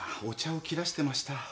お茶を切らしてました。